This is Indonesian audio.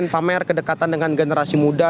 pamer kedekatan dengan generasi muda